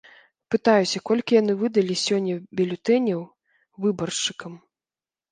Пытаюся, колькі яны выдалі сёння бюлетэняў выбаршчыкам.